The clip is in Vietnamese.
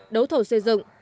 đấu thầu xây dựng